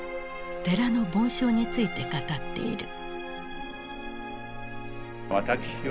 寺の梵鐘について語っている。